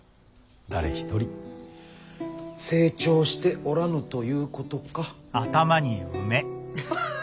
誰一人成長しておらぬということか。